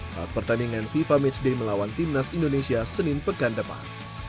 saat pertandingan fifa matchday melawan timnas indonesia senin pekan depan